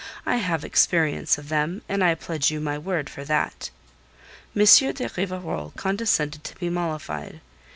I have experience of them, and I pledge you my word for that." M. de Rivarol condescended to be mollified.